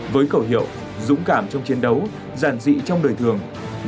với cầu hiệu dũng cảm trong chiến đấu giàn dị trong đời thường